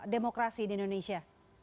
demokrasi di indonesia